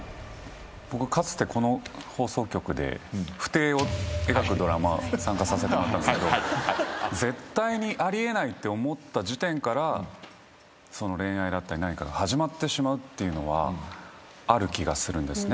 僕かつてこの放送局で不貞を描くドラマ参加させてもらったんですけど絶対にあり得ないって思った時点から恋愛だったり何かが始まってしまうというのはある気がするんですね。